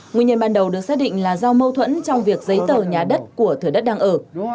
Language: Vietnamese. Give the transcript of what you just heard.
nguyên nhân ban đầu được xác định là do mâu thuẫn trong việc giấy tờ nhà đất của thửa đất đang ở